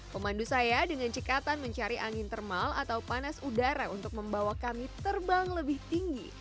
pemandu saya dengan cekatan mencari angin termal atau panas udara untuk membawa kami terbang lebih tinggi